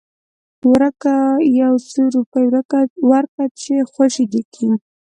ورکه يو څو روپۍ ورکه چې خوشې دې کي.